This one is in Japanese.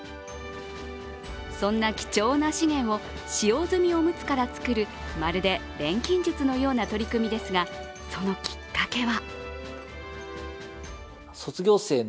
そんな貴重な資源を使用済みおむつから作るまるで錬金術のような取り組みですが、そのきっかけは？